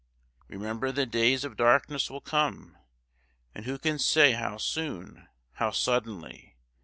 Remember the days of darkness will come, and who can say how soon, how suddenly?